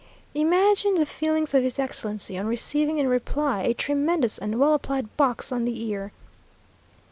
Imagine the feelings of his Excellency, on receiving in reply a tremendous and well applied box on the ear!